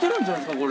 これ。